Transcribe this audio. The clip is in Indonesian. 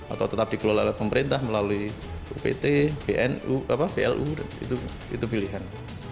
atau tetap dikelola oleh pemerintah melalui upt blu itu pilihan